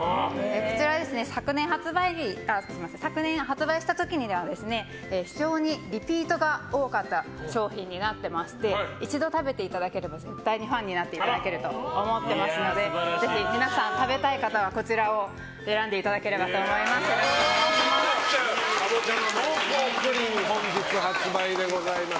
こちらは昨年発売した時には非常にリピートが多かった商品になっていまして一度食べていただければ絶対ファンになっていただけると思っていますのでぜひ皆さん食べたい方はこちらをかぼちゃの濃厚プリン本日発売でございます。